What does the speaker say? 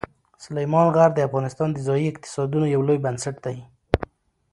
سلیمان غر د افغانستان د ځایي اقتصادونو یو لوی بنسټ دی.